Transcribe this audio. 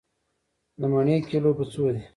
د مڼې کيلو په څو دی؟